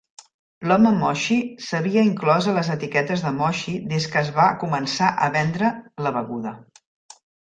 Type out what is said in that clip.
L'home Moxie s'havia inclòs a les etiquetes de Moxie des que es va començar a vendre la beguda.